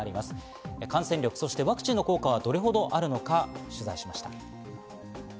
感染力やワクチンの効果、どれほどあるのか取材しました。